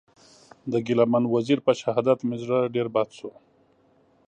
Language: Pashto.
د ګیله من وزېر په شهادت مې زړه ډېر بد سو.